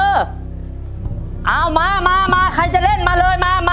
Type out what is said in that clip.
เอามามาใครจะเล่นมาเลยมามา